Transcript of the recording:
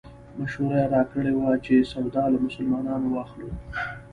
مشوره یې راکړې وه چې سودا له مسلمانانو واخلو.